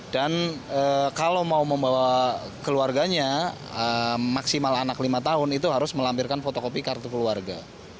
dan kalau mau membawa keluarganya maksimal anak lima tahun itu harus melampirkan fotokopi kartu keluarga